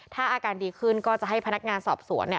ถ้าอาการดีขึ้นก็จะให้พนักงานสอบสวนเนี่ย